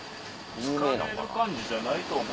疲れる感じじゃないと思う。